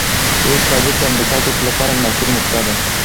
اوس چې طالب د امریکا ګټو لپاره مناسبه نسخه ده.